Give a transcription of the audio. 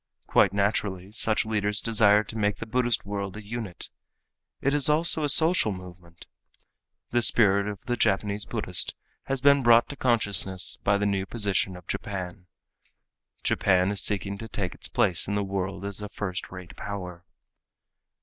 Quite naturally such leaders desire to make the Buddhist world a unit. It is also a social movement. The spirit of the Japanese Buddhist has been brought to consciousness by the new position of Japan. Japan is seeking to take its place in the world as a first rate power.